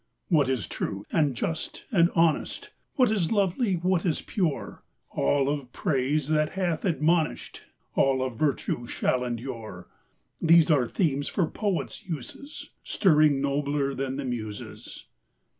What is true and just and honest, What is lovely, what is pure, — All of praise that hath admonish'd, All of virtue, shall endure, — These are themes for poets' uses, Stirring nobler than the Muses.